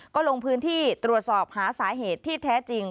ก็ลงพื้นที่ตรวจสอบหาสาเหตุที่แท้จริง